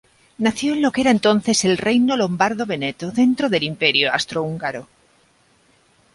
Nació en lo que era entonces el reino lombardo-veneto dentro del Imperio Austrohúngaro.